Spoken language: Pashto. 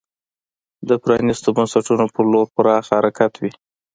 د پرانیستو بنسټونو په لور پراخ حرکت وي.